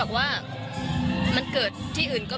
มันอาจจะเป็นแก๊สธรรมชาติค่ะ